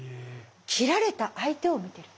斬られた相手を見てる。